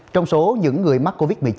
trong số những người mắc covid một mươi chín